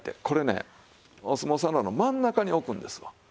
これねお相撲さんらの真ん中に置くんですわ。